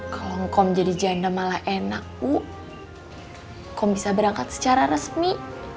kalau ngom jadi janda malah enak u kom bisa berangkat secara resmi